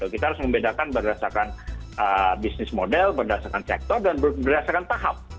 kita harus membedakan berdasarkan bisnis model berdasarkan sektor dan berdasarkan tahap